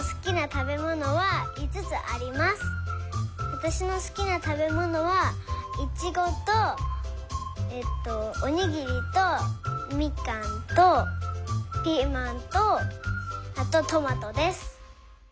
わたしのすきなたべものはイチゴとおにぎりとみかんとピーマンとあとトマトです。